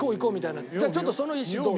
じゃあちょっとその石どうぞ。